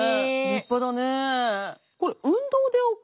立派だね。